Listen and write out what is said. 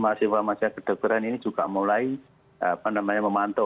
masih masih kedokteran ini juga mulai memantau